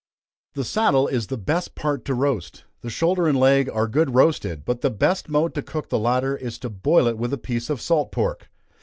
_ The saddle is the best part to roast the shoulder and leg are good roasted; but the best mode to cook the latter, is to boil it with a piece of salt pork.